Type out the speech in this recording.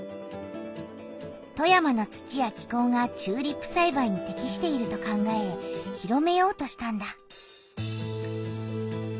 富山の土や気こうがチューリップさいばいにてきしていると考え広めようとしたんだ。